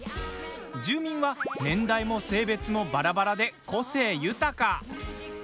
住民は、年代も性別もばらばらで個性豊か。